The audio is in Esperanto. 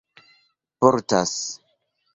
portas